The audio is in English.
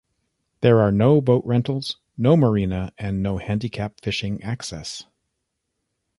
There are no boat rentals, no marina, and no handicap fishing access.